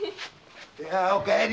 お帰り！